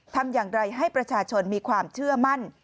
ทำอย่างไรให้ประชาชนมีความเชื่อมั่น